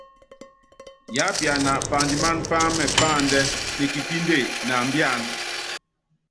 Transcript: Yiápiana pandimáná páámɛ páandɛ́, nekipìnde, náambíana.